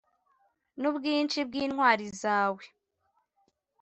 n ubwinshi bw intwari zawe